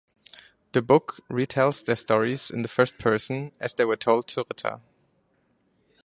The book retells their stories in the first-person, as they were told to Ritter.